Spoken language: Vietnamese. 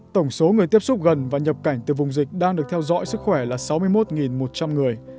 tổng số người tiếp xúc gần và nhập cảnh từ vùng dịch đang được theo dõi sức khỏe là sáu mươi một một trăm linh người